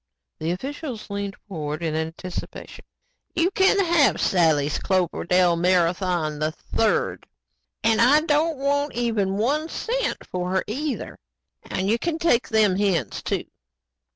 The officials leaned forward in anticipation. "You can have Sally's Cloverdale Marathon III and I don't want one cent for her, either. And you can take the hens, too."